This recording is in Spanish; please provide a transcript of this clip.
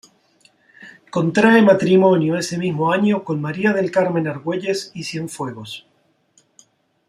Contrae matrimonio ese mismo año con María del Carmen Argüelles y Cienfuegos.